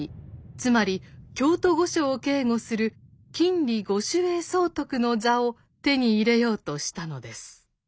つまり京都御所を警護する禁裏御守衛総督の座を手に入れようとしたのです。